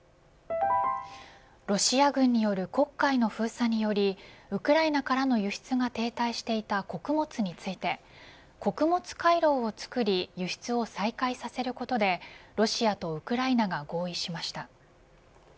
ロシア軍による黒海の封鎖によりウクライナからの輸出が停滞していた穀物について穀物回廊を作り輸出を再開させることでロシアとウクライナが合意しました。